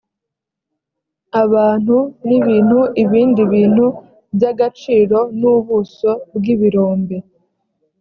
abantu n ibintu ibindi bintu by agaciro n ubuso bw ibirombe